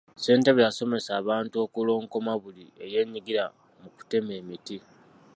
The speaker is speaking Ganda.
Ssentebe yasomesa abantu okulonkoma buli eyeenyigira mu kutema emiti.